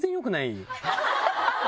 ハハハハ！